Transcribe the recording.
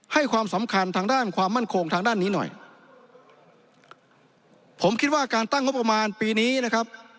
ให้ความสำคัญทางด้านความมั่นคงทางด้านนี้หน่อยผมคิดว่าการตั้งงบประมาณปีนี้นะครับ